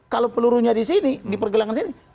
kalau pelurunya di sini di pergelangan sini